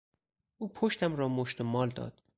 او پشتم را مشت و مال داد.